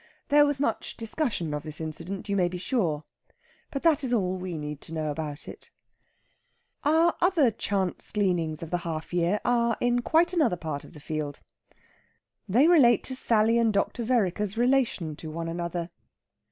There was much discussion of this incident, you may be sure; but that is all we need to know about it. Our other chance gleanings of the half year are in quite another part of the field. They relate to Sally and Dr. Vereker's relation to one another.